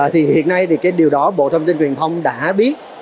thì hiện nay thì cái điều đó bộ thông tin truyền thông đã biết